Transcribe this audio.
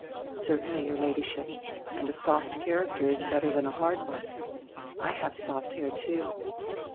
"Certainly, your Ladyship. And a soft character is better than a hard one. I have soft hair, too."